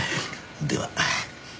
では。